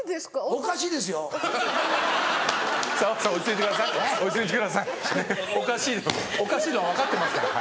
おかしいのは分かってますから。